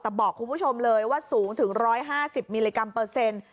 แต่บอกคุณผู้ชมเลยว่าสูงถึง๑๕๐มิลลิกรัมเปอร์เซ็นต์